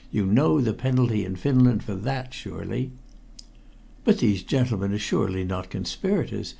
You know the penalty in Finland for that, surely?" "But these gentlemen are surely not conspirators!"